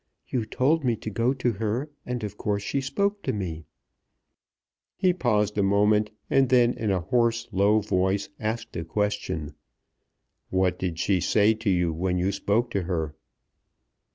You told me to go to her, and of course she spoke to me." He paused a moment, and then in a hoarse, low voice asked a question. "What did she say to you when you spoke to her?"